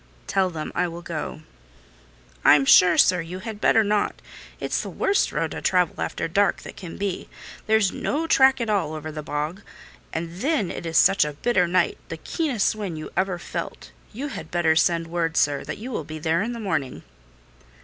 "Tell him I will go." "I'm sure, sir, you had better not. It's the worst road to travel after dark that can be: there's no track at all over the bog. And then it is such a bitter night—the keenest wind you ever felt. You had better send word, sir, that you will be there in the morning."